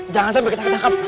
jangan sampai kita ketangkap